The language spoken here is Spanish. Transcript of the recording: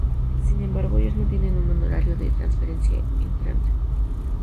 Sin embargo, ellos no tienen un honorario de transferencia entrante.